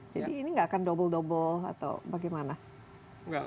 jadi ini gak akan double double atau bagaimana